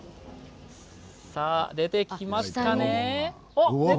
出てきましたね。